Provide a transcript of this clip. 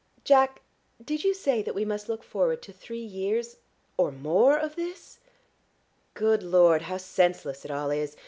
Jack, did you say that we must look forward to three years or more of this? Good Lord, how senseless it all is!